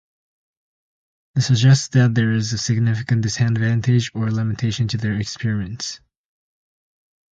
This suggests that there is a significant disadvantage or limitation to their experiments.